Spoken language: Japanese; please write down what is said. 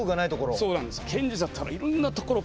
そうなんです。